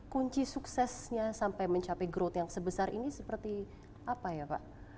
kunci suksesnya sampai mencapai growth yang sebesar ini seperti apa ya pak